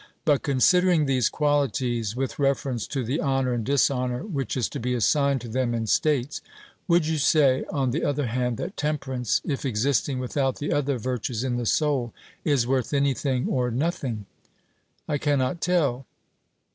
But considering these qualities with reference to the honour and dishonour which is to be assigned to them in states, would you say, on the other hand, that temperance, if existing without the other virtues in the soul, is worth anything or nothing? 'I cannot tell.'